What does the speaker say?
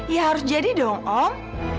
ya harus jadi dong